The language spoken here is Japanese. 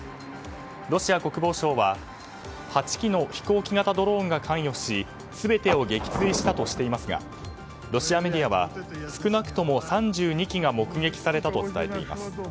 ロシア国防省は８機の飛行機型ドローンが関与し全てを撃墜したとしていますがロシアメディアは少なくとも３２機が目撃されたと伝えています。